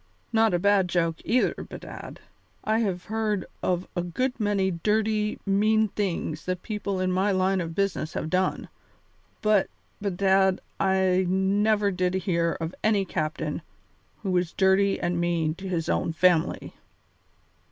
Not a bad joke, either, bedad. I have heard of a good many dirty, mean things that people in my line of business have done, but, bedad, I never did hear of any captain who was dirty and mean to his own family.